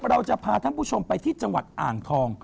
เราจะพาท่านผู้ชมไปที่จังหวัดอ่างทอง